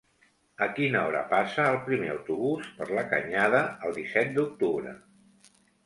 A quina hora passa el primer autobús per la Canyada el disset d'octubre?